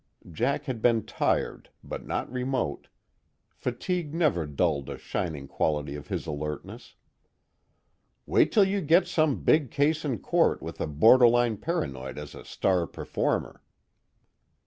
Jack had been tired, but not remote; fatigue never dulled a shining quality of his alertness. "Wait till you get some big case in court with a borderline paranoid as a star performer."